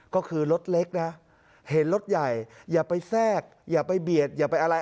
ก็คือรถเล็กนะเห็นรถใหญ่อย่าไปแทรกอย่าไปเบียดอย่าไปอะไร